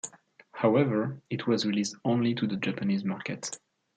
However, it was released only to the Japanese market.